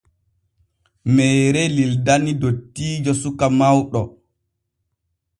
Meere lildani dottiijo suka mawɗo.